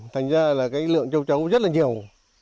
thành ra là cái lượng châu chấu rất là nhiều